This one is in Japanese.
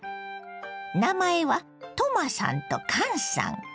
名前はトマさんとカンさん。